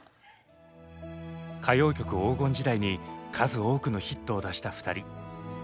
歌謡曲黄金時代に数多くのヒットを出した２人。